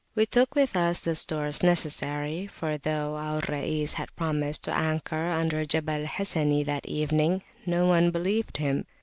We took with us the stores necessary, for though our Rais had promised to anchor under Jabal Hassani that evening, no one believed him.